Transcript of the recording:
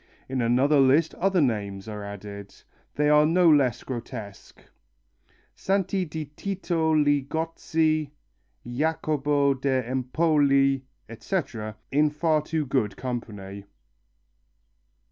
In another list other names are added. They are no less grotesque Santi di Tito Ligozzi, Jacopo da Empoli, etc, in far too good company.